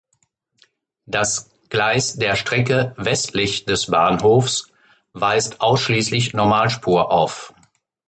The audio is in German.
Das Gleis der Strecke westlich des Bahnhofs weist ausschließlich Normalspur auf.